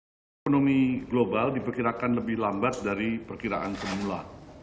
keputusan tersebut sejalan dengan bangkit dengan berat ekonomi global diperkirakan lebih lambat dari perkiraan semula